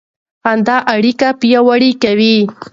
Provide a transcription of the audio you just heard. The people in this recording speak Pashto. خندا اړیکې پیاوړې کوي.